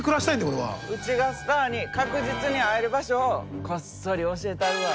うちがスターに確実に会える場所をこっそり教えたるわ。